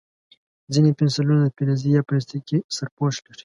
ځینې پنسلونه د فلزي یا پلاستیکي سرپوښ لري.